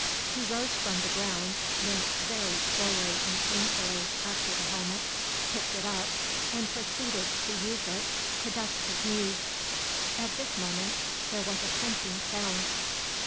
He rose from the ground, limped very slowly and painfully after the helmet, picked it up, and proceeded to use it to dust his knees. At this moment there was a clanking sound.